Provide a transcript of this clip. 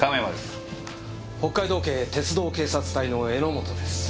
北海道警鉄道警察隊の榎本です。